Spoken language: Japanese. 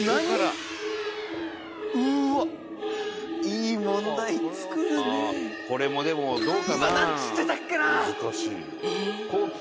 「いい問題作るね」これもでもどうかな？